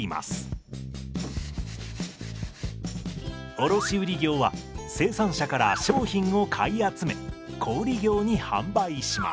卸売業は生産者から商品を買い集め小売業に販売します。